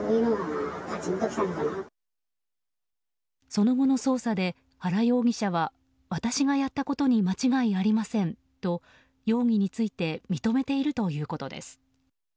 その後の捜査で原容疑者は私がやったことに間違いありませんと容疑について認めているということです。